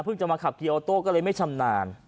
จะมาขับเกียออโต้ก็เลยไม่ชำนาญ